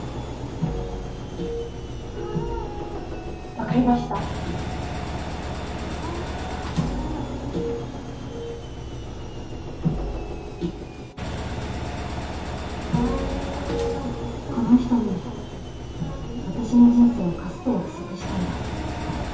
分かりましたこの人に私の人生を貸すと約束したんだ